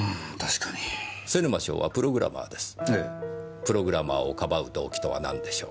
プログラマーを庇う動機とは何でしょう？